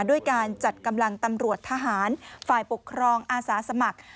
ด้วยการจัดกำลังตำรวจทหารฝ่ายปกครองอาสาสมัคร